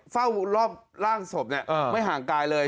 เฝ้าล่องสมเนี่ยไม่ห่างกายเลย